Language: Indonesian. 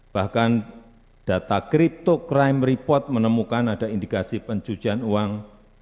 bahkan data crypto crime report menemukan ada indikasi pencucian uang